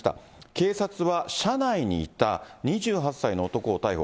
警察は車内にいた２８歳の男を逮捕。